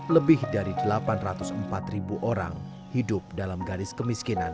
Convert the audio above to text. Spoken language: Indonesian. lebih dari delapan ratus empat ribu orang hidup dalam garis kemiskinan